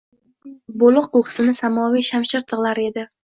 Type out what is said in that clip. Bo’liq ko’ksini samoviy shamshir tig’lari edi.